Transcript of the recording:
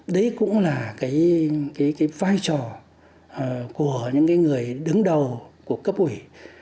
đấy cũng là cái vai trò của những người đứng đầu của cấp ủy